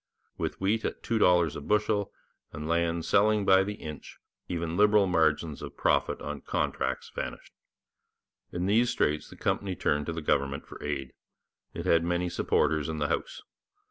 With wheat at two dollars a bushel, and 'land selling by the inch,' even liberal margins of profit on contracts vanished. In these straits the company turned to the government for aid. It had many supporters in the House.